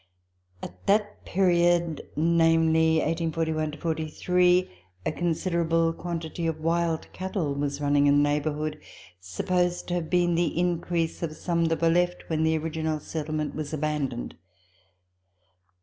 At that period, viz., 1841 43, a considerable quantity of wild cattle was running in the neighbourhood, supposed to have been the increase of some that were left when the original settlement was abandoned.